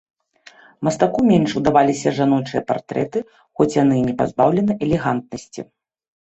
Мастаку менш удаваліся жаночыя партрэты, хоць яны не пазбаўленыя элегантнасці.